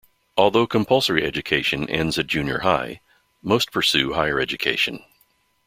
Although compulsory education ends at junior high, most pursue higher education.